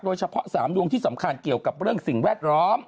๓ดวงที่สำคัญเกี่ยวกับเรื่องสิ่งแวดล้อม